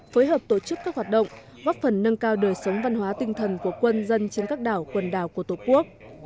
phối hợp tổ chức các hoạt động góp phần nâng cao đời sống văn hóa tinh thần của quân dân trên các đảo quần đảo của tổ quốc